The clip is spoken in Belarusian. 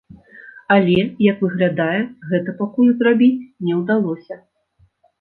Але, як выглядае, гэта пакуль зрабіць не ўдалося.